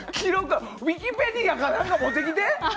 ウィキペディアか何か持ってきて！